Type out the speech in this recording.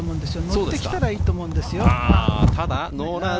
乗ってきたらいいと思うんですよ。